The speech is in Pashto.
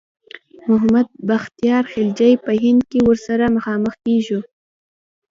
محمد بختیار خلجي په هند کې ورسره مخامخ کیږو.